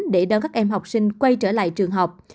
để đón các em học sinh quay trở lại trường học